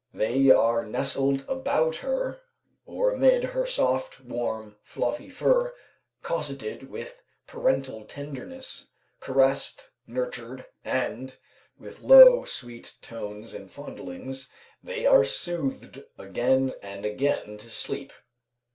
They are nestled about her, or amid her soft, warm fluffy fur, cossetted with parental tenderness, caressed, nurtured, and, with low, sweet tones and fondlings, they are soothed again and again to sleep.